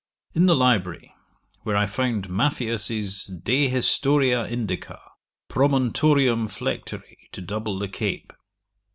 In the library; where I found Maffeus's de Historiâ Indicâ: Promontorium flectere, to double the Cape.